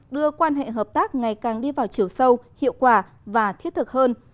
đưa quan hệ hợp tác ngày càng đi vào chiều sâu hiệu quả và thiết thực hơn